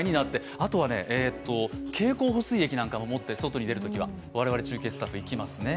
経口補水液なんかも持って、外に出るときは、我々中継スタッフは行きますね。